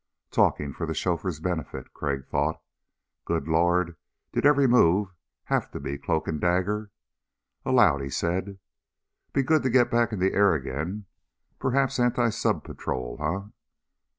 Talking for the chauffeur's benefit, Crag thought. Good Lord, did every move have to be cloak and dagger? Aloud he said: "Be good to get back in the air again. Perhaps anti sub patrol, eh?"